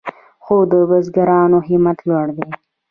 خو د بزګرانو همت لوړ دی.